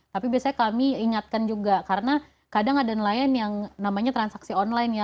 tapi biasanya kami ingatkan juga karena kadang ada nelayan yang namanya transaksi online ya